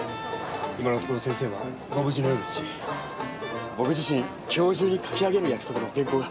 今のところ先生はご無事のようですし僕自身今日中に書き上げる約束の原稿が。